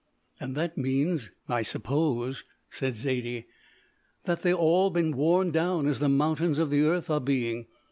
"And that means, I suppose," said Zaidie, "that they've all been worn down as the mountains of the earth are being.